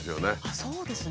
そうですね。